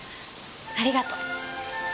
ありがとう。